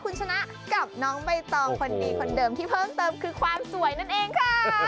คุณชนะกับน้องใบตองคนดีคนเดิมที่เพิ่มเติมคือความสวยนั่นเองค่ะ